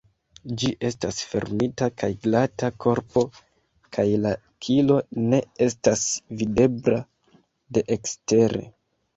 Ĝi estas fermita kaj glata korpo kaj la kilo ne estas videbla de ekstere.